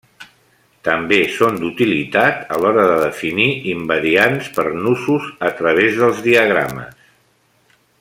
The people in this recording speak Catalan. També són d'utilitat a l'hora de definir invariants per nusos a través dels diagrames.